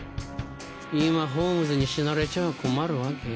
今ホームズに死なれちゃ困るわけよ。